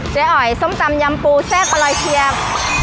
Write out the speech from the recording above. อ๋อยส้มตำยำปูแซ่บอร่อยเชียบ